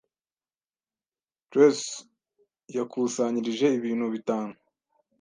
Trace yakusanyirije ibintu bitanu